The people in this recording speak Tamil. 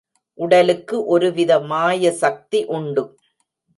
உடலுக்கு ஒரு வித மாயசக்தி உண்டு.